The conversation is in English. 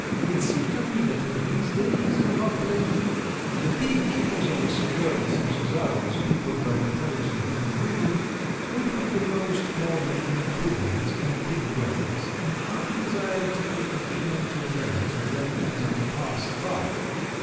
It seemed to me that in these days of uplift the pig keepers of a suburb such as ours, peopled by intelligent men and women, would have the most modern improvements in pig dwellings, and I desired to make a few mental notes of them as I passed by.